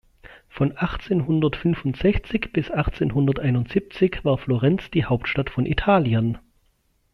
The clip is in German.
Von achtzehnhundertfünfundsechzig bis achtzehnhunderteinundsiebzig war Florenz die Hauptstadt von Italien.